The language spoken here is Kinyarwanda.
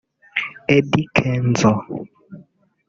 Eddy Kenzo